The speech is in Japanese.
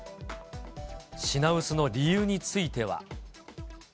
品薄の理由については。